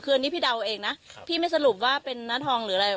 คืออันนี้พี่เดาเองนะพี่ไม่สรุปว่าเป็นน้าทองหรืออะไร